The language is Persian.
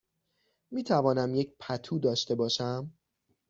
می توانم یک پتو داشته باشم؟